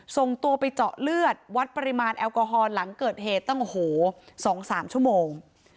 ส่งตัวไปเจาะเลือดวัดปริมาณแอลกอฮอลหลังเกิดเหตุตั้งโอ้โห๒๓ชั่วโมง